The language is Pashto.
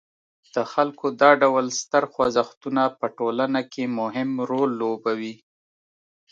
د خلکو دا ډول ستر خوځښتونه په ټولنه کې مهم رول لوبوي.